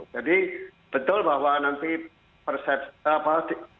jadi betul bahwa nanti persepsi apa